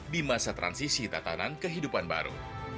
di masa transisi tatanan kehidupan baru